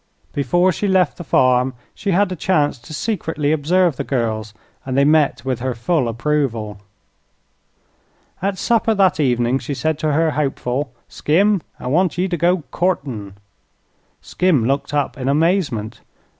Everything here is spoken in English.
Before she left the farm she had a chance to secretly observe the girls, and they met with her full approval. At supper that evening she said to her hopeful: "Skim, I want ye to go courtin'." Skim looked up in amazement.